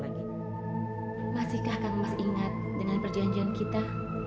bagaimana kamu masih ingat dengan perjanjian kita